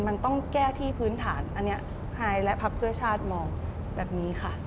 มันต้องแก้ที่พื้นฐานอันนี้ไฮและพักเพื่อชาติมองแบบนี้ค่ะ